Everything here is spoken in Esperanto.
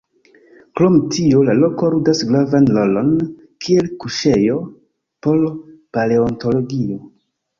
Krom tio, la loko ludas gravan rolon kiel kuŝejo por paleontologio.